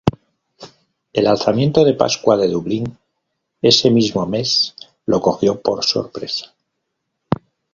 El Alzamiento de Pascua de Dublín ese mismo mes lo cogió por sorpresa.